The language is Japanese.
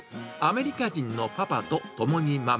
アメリカ人のパパと知美ママ。